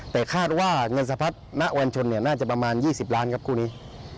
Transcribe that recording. แต่คาดว่าเงินสะพัดณวันชนน่าจะประมาณ๒๐ล้านครับคู่นี้